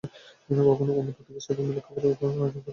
কখনো অন্য পাখিদের সাথে মিলে খাবারের জন্য গাছে গাছে ঘুরে বেড়ায়।